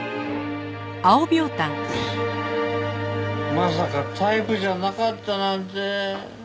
まさかタイプじゃなかったなんて！